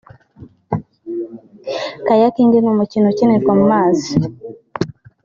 Kayaking ni umukino ukinirwa mu mazi